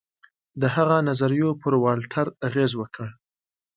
د هغه نظریو پر والټر اغېز وکړ.